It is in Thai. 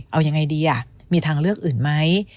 เอายังไงดีมีทางเลือกอื่นไหม